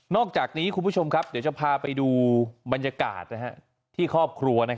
อกจากนี้คุณผู้ชมครับเดี๋ยวจะพาไปดูบรรยากาศที่ครอบครัว